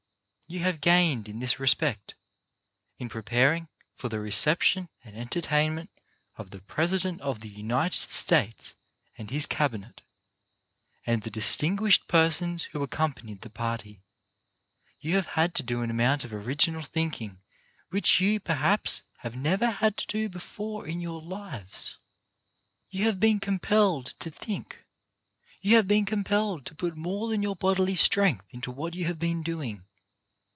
You have gained in this respect: in preparing for the reception and entertainment of the Presi dent of the United States and his Cabinet, and the distinguished persons who accompanied the party, you have had to do an amount of original thinking which you, perhaps, have never had to do before in your lives. You have been compelled to think ; you have been compelled to put more than your bodily strength into what you have been doing.